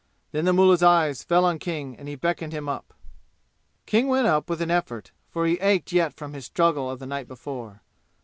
Then the mullah's eyes fell on King and he beckoned him. King went up with an effort, for he ached yet from his struggle of the night before.